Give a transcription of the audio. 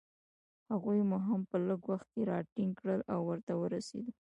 هغوی مو هم په لږ وخت کې راټینګ کړل، او ورته ورسېدو.